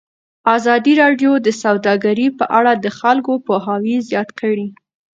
ازادي راډیو د سوداګري په اړه د خلکو پوهاوی زیات کړی.